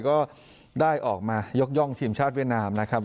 ก็ได้ออกมายกย่องทีมชาติเวียดนามนะครับ